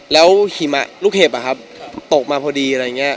แล้วลูกเห็บอะครับตกมาพอดีอะไรอย่างงี้